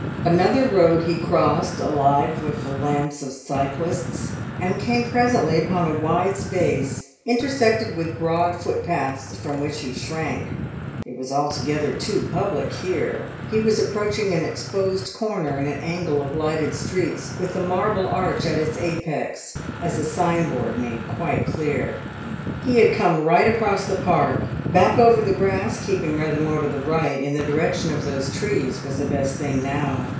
Another road he crossed, alive with the lamps of cyclists, and came presently upon a wide space intersected with broad footpaths from which he shrank; it was altogether too public here; he was approaching an exposed corner in an angle of lighted streets, with the Marble Arch at its apex, as a signboard made quite clear. He had come right across the Park; back over the grass, keeping rather more to the right, in the direction of those trees, was the best thing now.